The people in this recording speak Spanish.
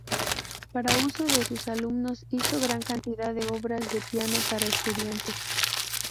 Para uso de sus alumnos hizo gran cantidad de obras de piano para estudiantes.